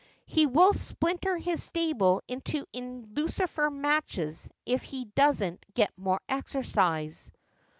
He will splinter his stable into lucifer matches if he doesn't get more exercise.'